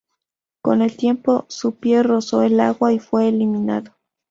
Con el tiempo, su pie rozó el agua, y fue eliminado.